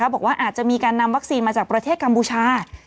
บอกว่าอาจจะมีการนำวัคซีนมาจากประเทศกัมพูชา